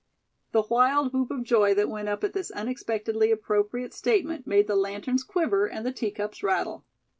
The wild whoop of joy that went up at this unexpectedly appropriate statement made the lanterns quiver and the teacups rattle.